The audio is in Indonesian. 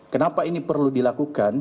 kenapa ini perlu dilakukan